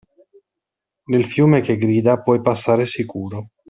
Nel fiume che grida puoi passare sicuro.